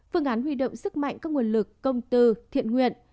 phương án huy động sức mạnh các nguồn lực công tư thiện nguyện